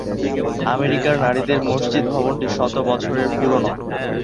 আমেরিকার নারীদের মসজিদ ভবনটি শত বছরের পুরনো।